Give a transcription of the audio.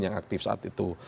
yang aktif saat itu